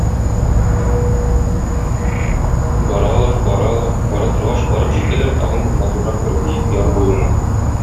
Баралар-баралар, бара торгач, барып җитәләр тагын да матуррак бер биек яр буена.